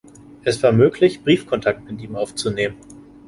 Es war möglich, Briefkontakt mit ihm aufzunehmen.